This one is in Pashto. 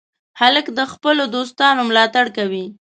هلک د خپلو دوستانو ملاتړ کوي.